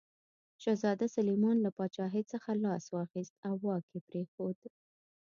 شهزاده سلیمان له پاچاهي څخه لاس واخیست او واک یې پرېښود.